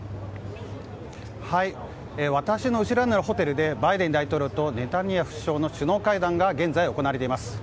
私の後ろにあるホテルでバイデン大統領とネタニヤフ首相の首脳会談が現在、行われています。